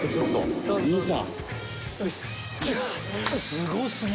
すご過ぎ。